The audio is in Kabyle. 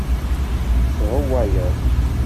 Sɛu wayeḍ.